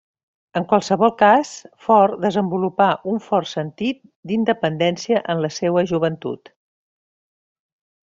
En qualsevol cas, Fort desenvolupà un fort sentit d'independència en la seua joventut.